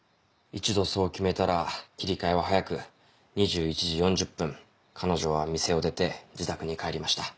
一度そう決めたら切り替えは早く２１時４０分彼女は店を出て自宅に帰りました。